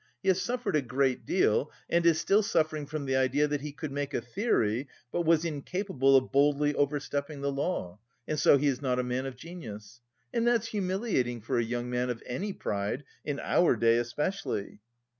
He has suffered a great deal and is still suffering from the idea that he could make a theory, but was incapable of boldly overstepping the law, and so he is not a man of genius. And that's humiliating for a young man of any pride, in our day especially...."